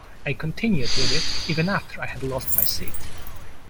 I continued with it even after I had lost my seat.